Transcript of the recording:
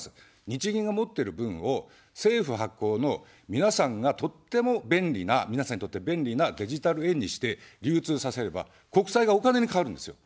日銀が持ってる分を政府発行の、皆さんがとっても便利な、皆さんにとって便利なデジタル円にして流通させれば、国債がお金に変わるんですよ。